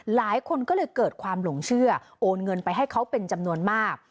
หลายคนก็เลยเกิดความหลงเชื่อโอนเงินไปให้เขาเป็นจำนวนมาก